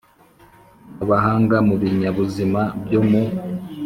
Abahanga mu binyabuzima byo mu